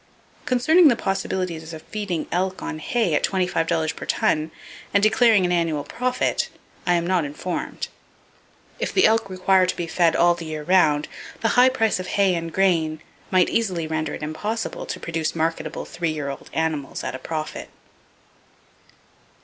Concerning the possibilities of feeding elk on hay at $25 per ton and declaring an annual profit, I am not informed. If the elk require to be fed all the year round, the high price of hay and grain might easily render it impossible to produce marketable three year old animals at a profit.